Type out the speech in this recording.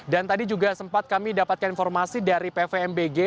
dan tadi juga sempat kami dapatkan informasi dari pvmbg